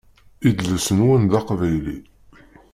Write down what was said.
Idles-nwen d aqbayli.